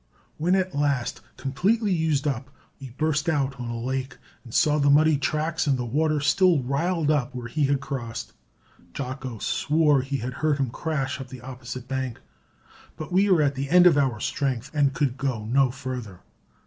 When, at last, completely used up, we burst out on a lake and saw the muddy tracks and the water still "riled up" where he had crossed, Jocko swore he heard him crash up the opposite bank; but we were at the end of our strength and could go no further.